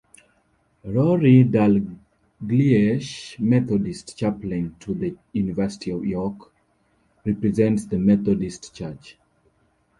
Rory Dalgliesh, Methodist chaplain to the University of York, represents the Methodist Church.